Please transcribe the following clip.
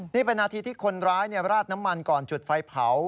นี่เป็นนาทีที่คนร้ายราดน้ำมันก่อนจุดไฟเผา